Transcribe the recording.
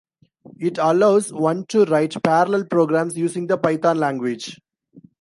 It allows one to write parallel programs using the Python language.